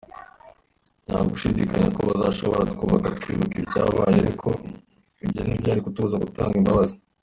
Ntagushidikanya ko duzahora twibuka twibuka ibyabaye, ariko ibyo ntibyari kutubuza gutanga imbabazi.